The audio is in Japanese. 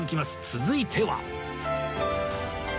続いては